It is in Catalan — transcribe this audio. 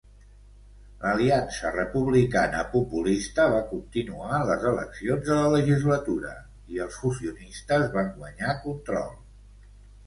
L'aliança republicana-populista va continuar en les eleccions a la legislatura, i els fusionistes van guanyar control.